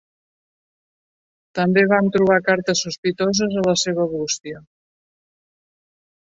També vam trobar cartes sospitoses a la seva bústia.